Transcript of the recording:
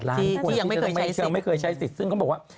ล้านคนที่ยังไม่เคยใช้สิทธิ์ซึ่งเขาบอกว่า